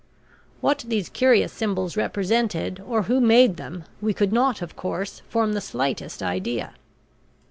What these curious symbols represented, or who made them, we could not, of course, form the slightest idea.